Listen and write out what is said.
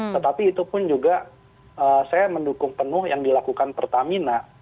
tetapi itu pun juga saya mendukung penuh yang dilakukan pertamina